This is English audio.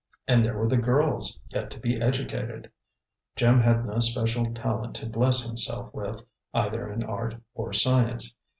And there were the girls yet to be educated. Jim had no special talent to bless himself with, either in art or science.